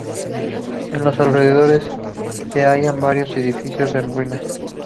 En los alrededores se hallan varios edificios en ruinas.